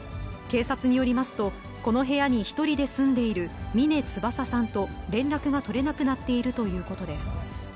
警察によりますと、この部屋に１人で住んでいる峰翼さんと連絡が取れなくなっているということです。